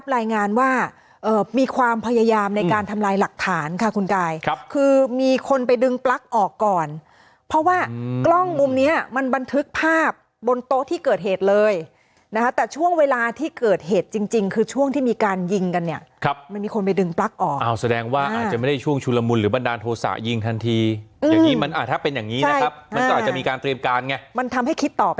รายงานว่ามีความพยายามในการทำลายหลักฐานค่ะคุณกายครับคือมีคนไปดึงปลั๊กออกก่อนเพราะว่ากล้องมุมเนี้ยมันบันทึกภาพบนโต๊ะที่เกิดเหตุเลยนะฮะแต่ช่วงเวลาที่เกิดเหตุจริงจริงคือช่วงที่มีการยิงกันเนี้ยครับมันมีคนไปดึงปลั๊กออกอ้าวแสดงว่าอาจจะไม่ได้ช่วงชุลมุนหรือบรรดา